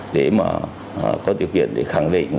để mà có điều kiện để khẳng định